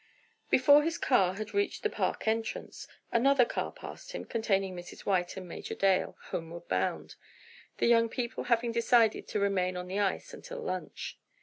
Before his car had reached the park entrance, another car passed him, containing Mrs. White and Major Dale homeward bound, the young people having decided to remain on the ice until lunch.